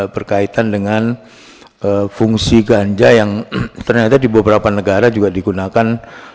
berkaitan dengan fungsi ganja yang ternyata di beberapa negara juga digunakan